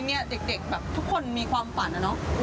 ชื่อว่าปีนี้เด็กแบบทุกคนมีความฝันนะเนาะ